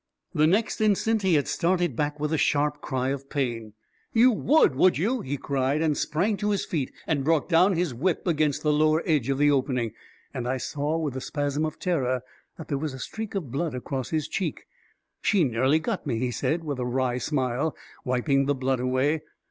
The next instant he had started back with a sharp cry of pain. 348 A KING IN BABYLON " You would, would you I " he cried, and sprang to his feet and brought down his whip against the lower edge of the opening; and I saw, with a spasm of terror, that there was a streak of blood across his cheek. " She nearly got me," he said, with a wry smile, wiping the blood away.